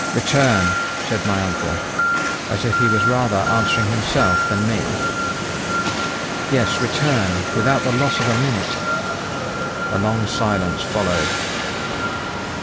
"Return!" said my uncle, as if he was rather answering himself than me. "Yes, return, without the loss of a minute." A long silence followed.